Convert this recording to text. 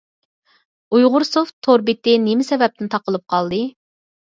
ئۇيغۇرسوفت تور بېتى نېمە سەۋەبتىن تاقىلىپ قالدى؟